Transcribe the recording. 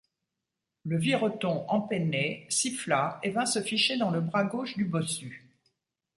Le vireton empenné siffla et vint se ficher dans le bras gauche du bossu.